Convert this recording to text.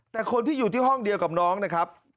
แต่คนที่อยู่ที่ห้องเดียวกับน้องนะครับ